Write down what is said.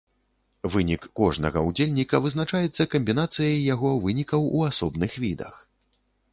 Вынік кожнага ўдзельніка вызначаецца камбінацыяй яго вынікаў у асобных відах.